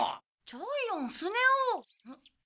ジャイアンスネ夫。